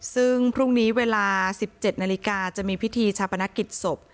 ซึ่งพรุ่งนี้เวลา๑๗นาฬิกาจะมีพิธีชาปนกิจศพ